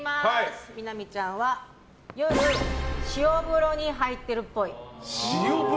みな実ちゃんは夜、塩風呂に入ってるっぽい。